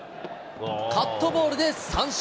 カットボールで三振。